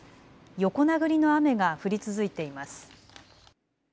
横殴りの雨が降り続いています。